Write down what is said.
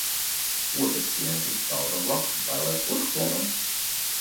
Otrs siventiņš stāv tam blakus bailēs urkšķēdams.